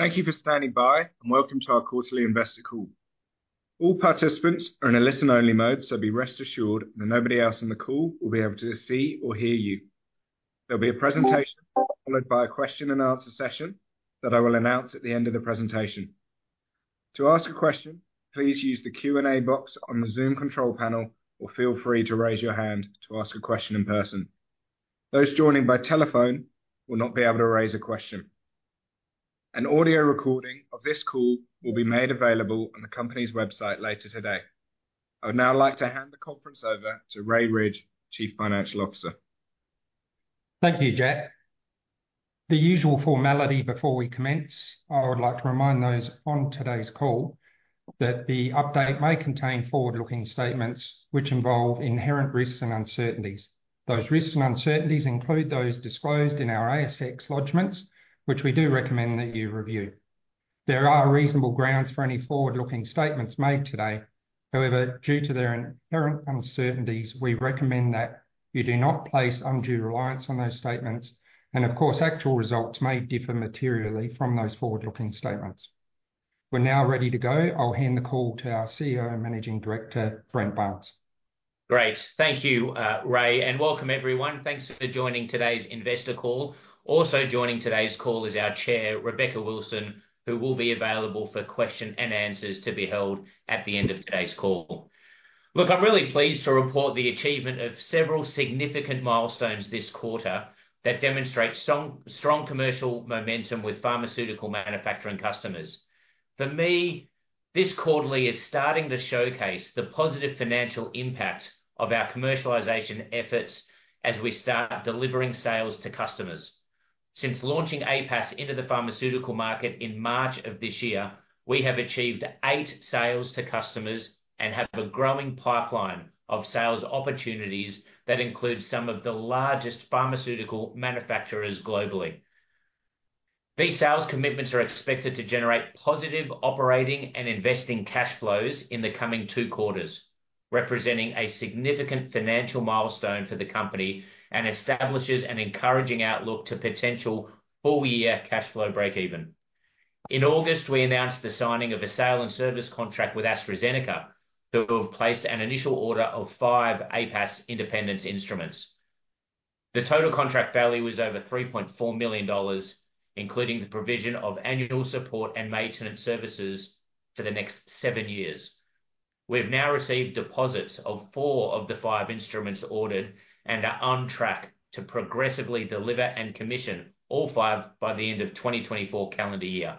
Thank you for standing by, and welcome to our Quarterly Investor Call. All participants are in a listen-only mode, so be rest assured that nobody else in the call will be able to see or hear you. There'll be a presentation followed by a question-and-answer session that I will announce at the end of the presentation. To ask a question, please use the Q&A box on the Zoom control panel, or feel free to raise your hand to ask a question in person. Those joining by telephone will not be able to raise a question. An audio recording of this call will be made available on the company's website later today. I would now like to hand the conference over to Ray Ridge, Chief Financial Officer. Thank you, Jack. The usual formality before we commence. I would like to remind those on today's call that the update may contain forward-looking statements which involve inherent risks and uncertainties. Those risks and uncertainties include those disclosed in our ASX Lodgements, which we do recommend that you review. There are reasonable grounds for any forward-looking statements made today. However, due to their inherent uncertainties, we recommend that you do not place undue reliance on those statements, and of course, actual results may differ materially from those forward-looking statements. We're now ready to go. I'll hand the call to our CEO and Managing Director, Brent Barnes. Great. Thank you, Ray, and welcome, everyone. Thanks for joining today's Investor Call. Also joining today's call is our Chair, Rebecca Wilson, who will be available for questions and answers to be held at the end of today's call. Look, I'm really pleased to report the achievement of several significant milestones this quarter that demonstrate strong commercial momentum with pharmaceutical manufacturing customers. For me, this quarterly is starting to showcase the positive financial impact of our commercialization efforts as we start delivering sales to customers. Since launching APAS into the pharmaceutical market in March of this year, we have achieved eight sales to customers and have a growing pipeline of sales opportunities that include some of the largest pharmaceutical manufacturers globally. These sales commitments are expected to generate positive operating and investing cash flows in the coming two quarters, representing a significant financial milestone for the company and establishes an encouraging outlook to potential full-year cash flow break-even. In August, we announced the signing of a sale and service contract with AstraZeneca, who have placed an initial order of five APAS Independence instruments. The total contract value was over 3.4 million dollars, including the provision of annual support and maintenance services for the next seven years. We have now received deposits of four of the five instruments ordered and are on track to progressively deliver and commission all five by the end of the 2024 calendar year.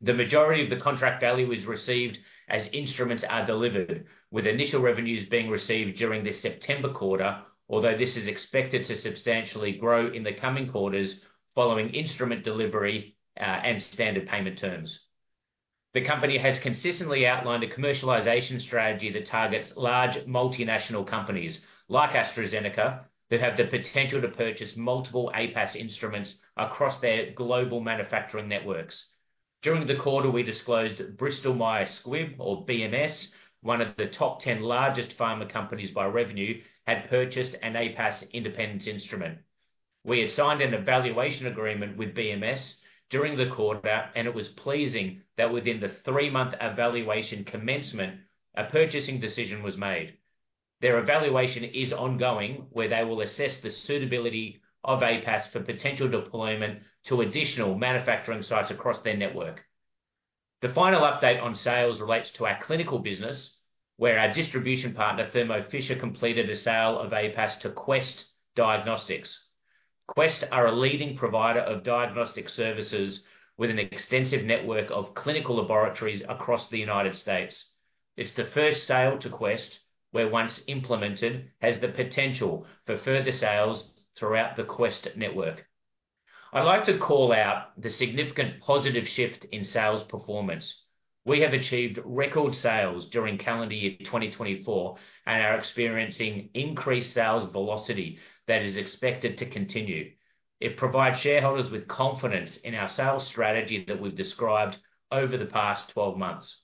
The majority of the contract value is received as instruments are delivered, with initial revenues being received during this September quarter, although this is expected to substantially grow in the coming quarters following instrument delivery and standard payment terms. The company has consistently outlined a commercialization strategy that targets large multinational companies like AstraZeneca that have the potential to purchase multiple APAS instruments across their global manufacturing networks. During the quarter, we disclosed Bristol Myers Squibb, or BMS, one of the top 10 largest pharma companies by revenue, had purchased an APAS Independence instrument. We had signed an evaluation agreement with BMS during the quarter, and it was pleasing that within the three-month evaluation commencement, a purchasing decision was made. Their evaluation is ongoing, where they will assess the suitability of APAS for potential deployment to additional manufacturing sites across their network. The final update on sales relates to our clinical business, where our distribution partner, Thermo Fisher, completed a sale of APAS to Quest Diagnostics. Quest are a leading provider of diagnostic services with an extensive network of clinical laboratories across the United States. It's the first sale to Quest where, once implemented, has the potential for further sales throughout the Quest network. I'd like to call out the significant positive shift in sales performance. We have achieved record sales during calendar year 2024 and are experiencing increased sales velocity that is expected to continue. It provides shareholders with confidence in our sales strategy that we've described over the past 12 months.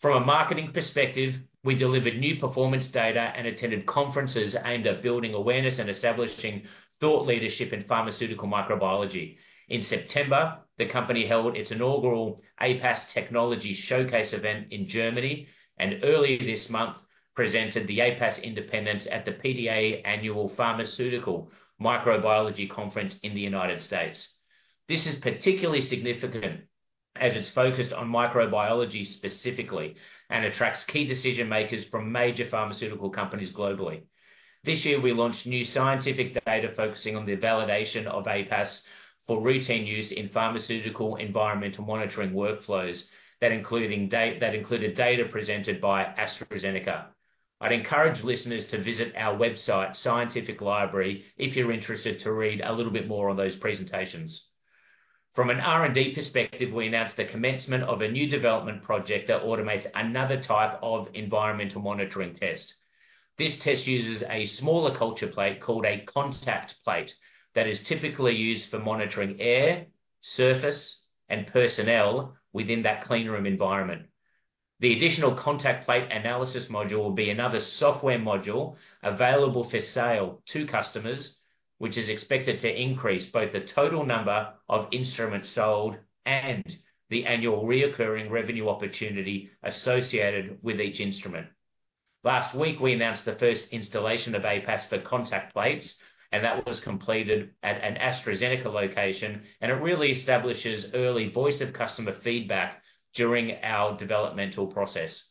From a marketing perspective, we delivered new performance data and attended conferences aimed at building awareness and establishing thought leadership in pharmaceutical microbiology. In September, the company held its inaugural APAS Technology Showcase event in Germany and earlier this month presented the APAS Independence at the PDA annual Pharmaceutical Microbiology Conference in the United States. This is particularly significant as it's focused on microbiology specifically and attracts key decision-makers from major pharmaceutical companies globally. This year, we launched new scientific data focusing on the validation of APAS for routine use in pharmaceutical environmental monitoring workflows that included data presented by AstraZeneca. I'd encourage listeners to visit our website, Scientific Library, if you're interested to read a little bit more on those presentations. From an R&D perspective, we announced the commencement of a new development project that automates another type of environmental monitoring test. This test uses a smaller culture plate called a contact plate that is typically used for monitoring air, surface, and personnel within that cleanroom environment. The additional contact plate analysis module will be another software module available for sale to customers, which is expected to increase both the total number of instruments sold and the annual recurring revenue opportunity associated with each instrument. Last week, we announced the first installation of APAS for contact plates, and that was completed at an AstraZeneca location, and it really establishes early voice of customer feedback during our developmental process.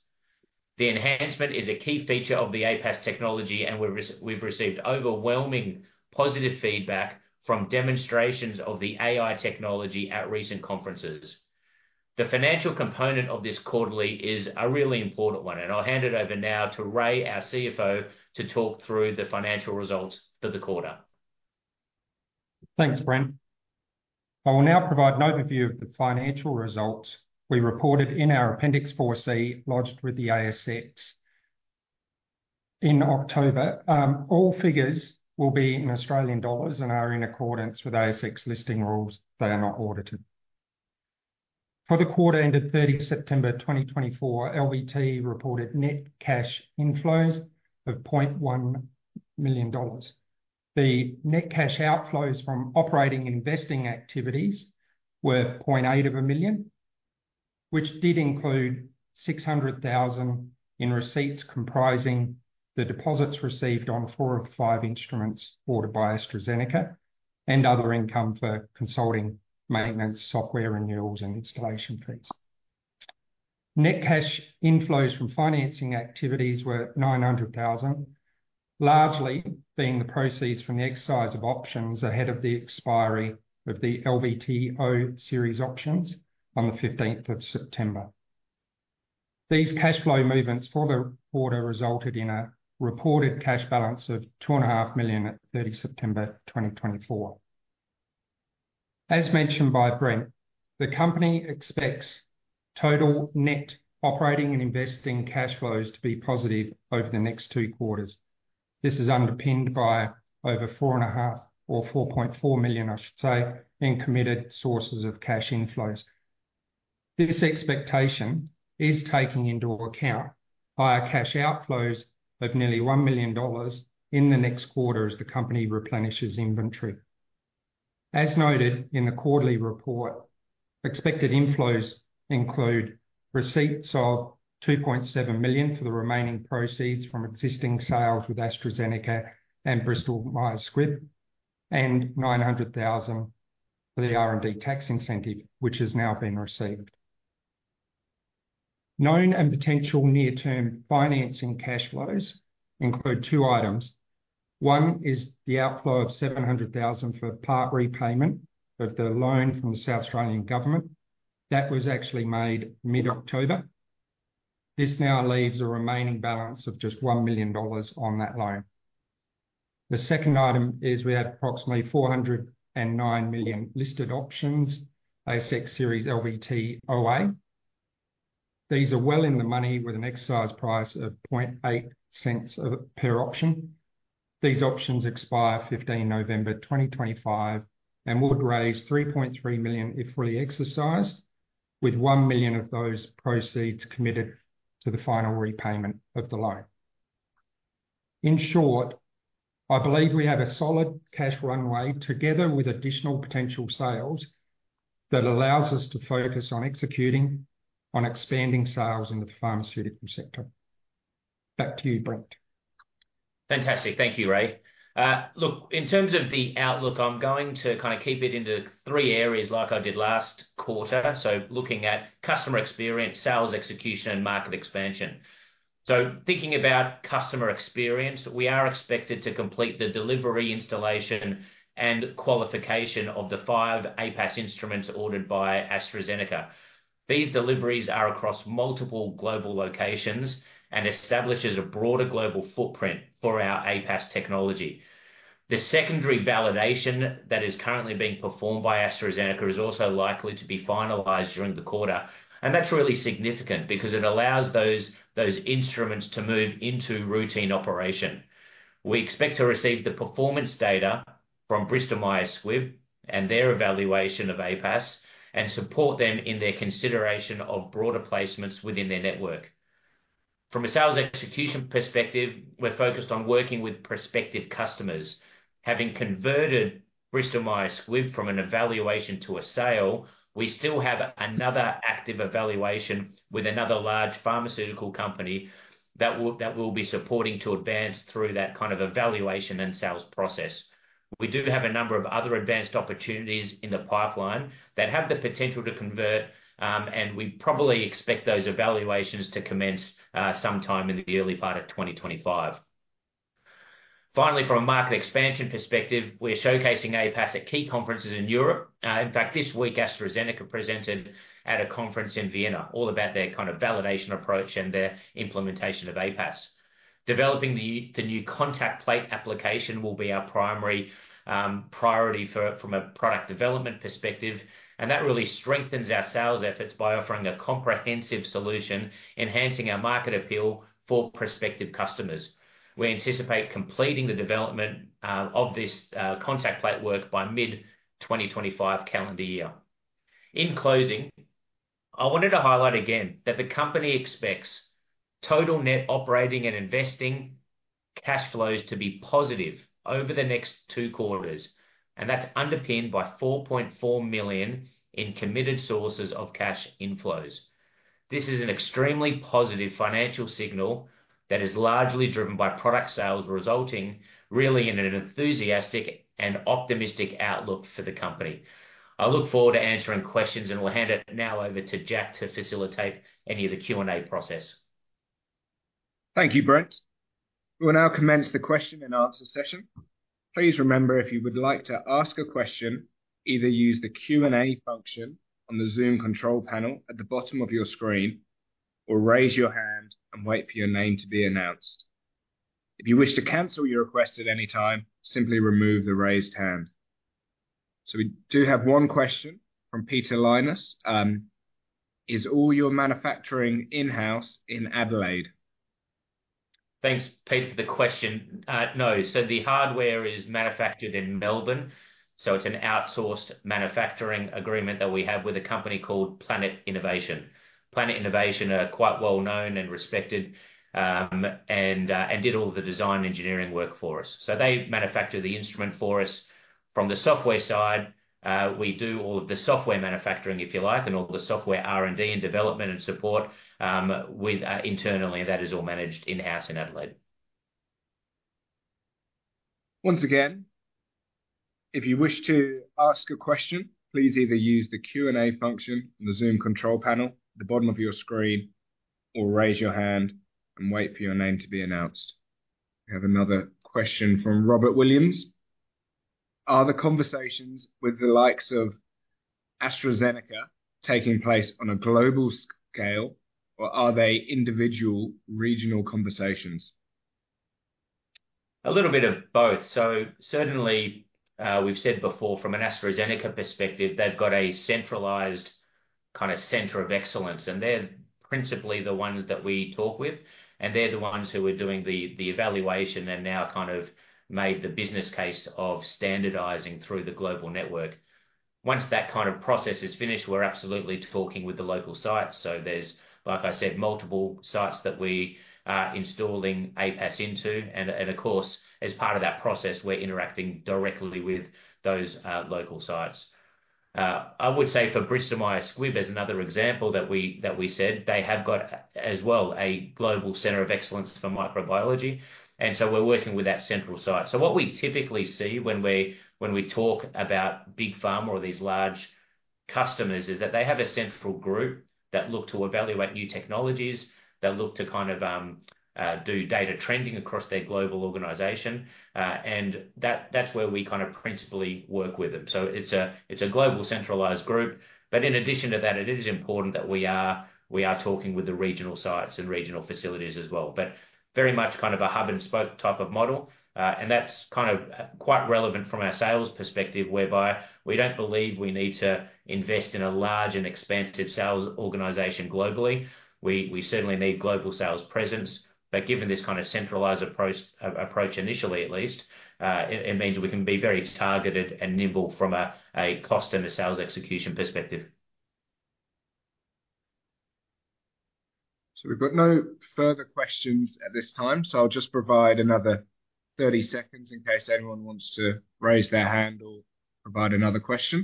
The enhancement is a key feature of the APAS technology, and we've received overwhelming positive feedback from demonstrations of the AI technology at recent conferences. The financial component of this quarterly is a really important one, and I'll hand it over now to Ray, our CFO, to talk through the financial results for the quarter. Thanks, Brent. I will now provide an overview of the financial results we reported in our Appendix 4C, lodged with the ASX in October. All figures will be in Australian dollars and are in accordance with ASX listing rules. They are not audited. For the quarter ended 30 September 2024, LBT reported net cash inflows of 0.1 million dollars. The net cash outflows from operating and investing activities were 0.8 million, which did include 600,000 in receipts comprising the deposits received on four of five instruments ordered by AstraZeneca and other income for consulting maintenance software renewals and installation fees. Net cash inflows from financing activities were 900,000, largely being the proceeds from the exercise of options ahead of the expiry of the LBTO series options on the 15th of September. These cash flow movements for the quarter resulted in a reported cash balance of 2.5 million at 30 September 2024. As mentioned by Brent, the company expects total net operating and investing cash flows to be positive over the next two quarters. This is underpinned by over 4.5 or 4.4 million, I should say, in committed sources of cash inflows. This expectation is taking into account higher cash outflows of nearly 1 million dollars in the next quarter as the company replenishes inventory. As noted in the quarterly report, expected inflows include receipts of 2.7 million for the remaining proceeds from existing sales with AstraZeneca and Bristol Myers Squibb, and 900,000 for the R&D tax incentive, which has now been received. Known and potential near-term financing cash flows include two items. One is the outflow of 700,000 for part repayment of the loan from the South Australian government. That was actually made mid-October. This now leaves a remaining balance of just 1 million dollars on that loan. The second item is we had approximately 409 million listed options, ASX series LBTOA. These are well in the money with an exercise price of 0.8 per option. These options expire 15 November 2025 and would raise 3.3 million if fully exercised, with 1 million of those proceeds committed to the final repayment of the loan. In short, I believe we have a solid cash runway together with additional potential sales that allows us to focus on executing on expanding sales in the pharmaceutical sector. Back to you, Brent. Fantastic. Thank you, Ray. Look, in terms of the outlook, I'm going to kind of keep it into three areas like I did last quarter. So looking at customer experience, sales execution, and market expansion. So thinking about customer experience, we are expected to complete the delivery, installation, and qualification of the five APAS instruments ordered by AstraZeneca. These deliveries are across multiple global locations and establish a broader global footprint for our APAS technology. The secondary validation that is currently being performed by AstraZeneca is also likely to be finalized during the quarter, and that's really significant because it allows those instruments to move into routine operation. We expect to receive the performance data from Bristol Myers Squibb and their evaluation of APAS and support them in their consideration of broader placements within their network. From a sales execution perspective, we're focused on working with prospective customers. Having converted Bristol Myers Squibb from an evaluation to a sale, we still have another active evaluation with another large pharmaceutical company that will be supporting to advance through that kind of evaluation and sales process. We do have a number of other advanced opportunities in the pipeline that have the potential to convert, and we probably expect those evaluations to commence sometime in the early part of 2025. Finally, from a market expansion perspective, we're showcasing APAS at key conferences in Europe. In fact, this week, AstraZeneca presented at a conference in Vienna all about their kind of validation approach and their implementation of APAS. Developing the new contact plate application will be our primary priority from a product development perspective, and that really strengthens our sales efforts by offering a comprehensive solution, enhancing our market appeal for prospective customers. We anticipate completing the development of this contact plate work by mid-2025 calendar year. In closing, I wanted to highlight again that the company expects total net operating and investing cash flows to be positive over the next two quarters, and that's underpinned by 4.4 million in committed sources of cash inflows. This is an extremely positive financial signal that is largely driven by product sales, resulting really in an enthusiastic and optimistic outlook for the company. I look forward to answering questions, and we'll hand it now over to Jack to facilitate any of the Q&A process. Thank you, Brent. We'll now commence the question and answer session. Please remember, if you would like to ask a question, either use the Q&A function on the Zoom control panel at the bottom of your screen or raise your hand and wait for your name to be announced. If you wish to cancel your request at any time, simply remove the raised hand. So we do have one question from Peter Linus. Is all your manufacturing in-house in Adelaide? Thanks, Peter, for the question. No. So the hardware is manufactured in Melbourne, so it's an outsourced manufacturing agreement that we have with a company called Planet Innovation. Planet Innovation are quite well known and respected and did all the design engineering work for us. So they manufacture the instrument for us. From the software side, we do all of the software manufacturing, if you like, and all the software R&D and development and support internally. That is all managed in-house in Adelaide. Once again, if you wish to ask a question, please either use the Q&A function on the Zoom control panel at the bottom of your screen or raise your hand and wait for your name to be announced. We have another question from Robert Williams. Are the conversations with the likes of AstraZeneca taking place on a global scale, or are they individual regional conversations? A little bit of both. So certainly, we've said before, from an AstraZeneca perspective, they've got a centralized kind of center of excellence, and they're principally the ones that we talk with, and they're the ones who are doing the evaluation and now kind of made the business case of standardizing through the global network. Once that kind of process is finished, we're absolutely talking with the local sites. So there's, like I said, multiple sites that we are installing APAS into. And of course, as part of that process, we're interacting directly with those local sites. I would say for Bristol Myers Squibb, as another example that we said, they have got as well a global center of excellence for microbiology, and so we're working with that central site. So what we typically see when we talk about big pharma or these large customers is that they have a central group that look to evaluate new technologies, that look to kind of do data trending across their global organization, and that's where we kind of principally work with them. So it's a global centralized group, but in addition to that, it is important that we are talking with the regional sites and regional facilities as well, but very much kind of a hub-and-spoke type of model. And that's kind of quite relevant from our sales perspective, whereby we don't believe we need to invest in a large and expansive sales organization globally. We certainly need global sales presence, but given this kind of centralized approach initially, at least, it means we can be very targeted and nimble from a cost and a sales execution perspective. So we've got no further questions at this time, so I'll just provide another 30 seconds in case anyone wants to raise their hand or provide another question.